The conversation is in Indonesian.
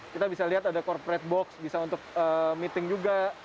kita bisa lihat ada corporate box bisa untuk meeting juga